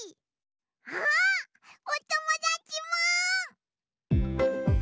あっおともだちも！